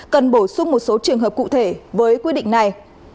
cần bổ sung một số trường hợp cụ thể với quyết định này